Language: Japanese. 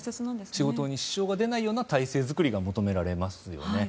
仕事に支障が出ないような体制づくりが求められますよね。